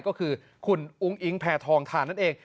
ก็คือคุณอุ้งอิงแพทองทานนั่นเอง